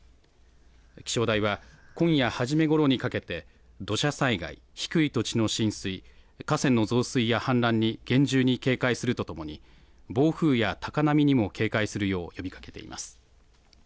気象台は今夜初めごろにかけて、土砂災害、低い土地の浸水、河川の増水や氾濫に厳重に警戒するとともに、暴風や高波にも警戒するよう呼びかけています。